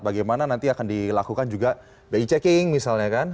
bagaimana nanti akan dilakukan juga bi checking misalnya kan